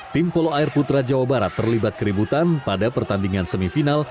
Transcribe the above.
tim polo air putra jawa barat terlibat keributan pada pertandingan semifinal